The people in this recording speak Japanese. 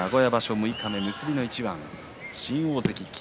六日目結びの一番新大関霧